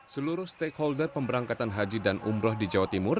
seluruh stakeholder pemberangkatan haji dan umroh di jawa timur